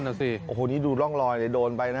นั่นเหรอสิโอ้โฮนี่ดูร่องรอยโดนไปนะ